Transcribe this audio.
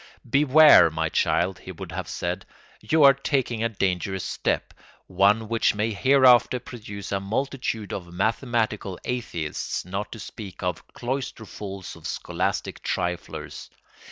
"Beware, my child," he would have said, "you are taking a dangerous step, one which may hereafter produce a multitude of mathematical atheists, not to speak of cloisterfuls of scholastic triflers.